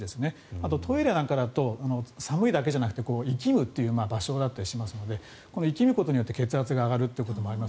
あと、トイレなんかだと寒いだけじゃなくていきむという場所だったりしますのでいきむことによって血圧が上がるということもあります。